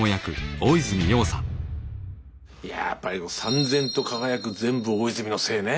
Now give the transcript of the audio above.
いややっぱりさん然と輝く「全部大泉のせい」ね。